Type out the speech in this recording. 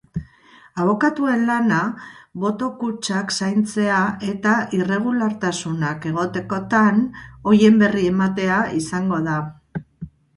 Abokatuen lana boto-kutxak zaintzea eta irregulartasunak egotekotan horien berri ematea izango da.